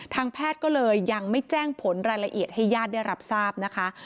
ทางแพทย์ก็เลยยังไม่แจ้งผลรายละเอียดให้ญาติได้รับทราบนะคะ